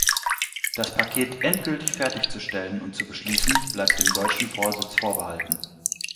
Das Paket endgültig fertigzustellen und zu beschließen, bleibt dem deutschen Vorsitz vorbehalten.